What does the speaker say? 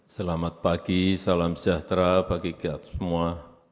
selamat pagi salam sejahtera bagi kita semua